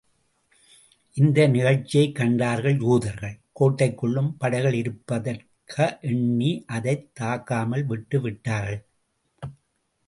இந்த நிகழ்ச்சியைக் கண்டார்கள் யூதர்கள் கோட்டைக்குள்ளும் படைகள் இருப்புதர்க எண்ணி, அதைக் தாக்காமல் விட்டு விட்டார்கள்.